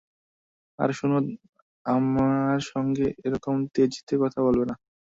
আর শোন, আমার সঙ্গে এ রকম তেজিতে কথা বলবে না।